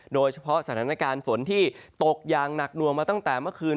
โดยเฉพาะสถานการณ์ฝนที่ตกอย่างหนักหน่วงมาตั้งแต่เมื่อคืน